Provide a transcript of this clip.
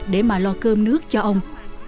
để mà lo cơm nước cho ông